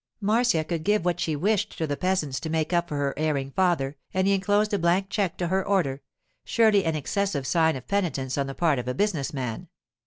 Marcia could give what she wished to the peasants to make up for her erring father, and he inclosed a blank cheque to her order—surely an excessive sign of penitence on the part of a business man.